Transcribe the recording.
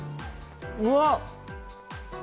うわっ！